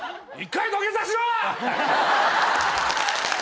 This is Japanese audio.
１回土下座しろ！